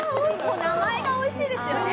名前がおいしいですよね。